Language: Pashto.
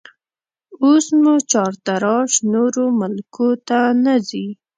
اوس مو چارتراش نورو ملکو ته نه ځي